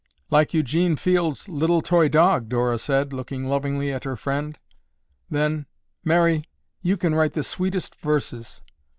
"Like Eugene Fields' 'Little Toy Dog,'" Dora said, looking lovingly at her friend. Then, "Mary, you can write the sweetest verses.